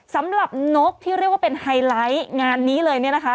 นกที่เรียกว่าเป็นไฮไลท์งานนี้เลยเนี่ยนะคะ